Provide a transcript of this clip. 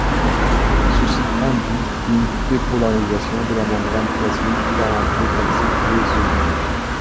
Ceci induit une dépolarisation de la membrane plasmique par entrée calcique et sodique.